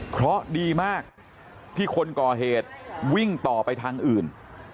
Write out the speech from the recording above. เพราะดีมากที่คนก่อเหตุวิ่งต่อไปทางอื่น